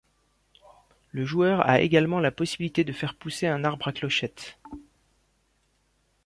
Le joueur a également la possibilité de faire pousser un arbre à clochettes.